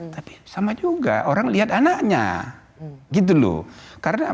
tapi sama juga orang lihat anaknya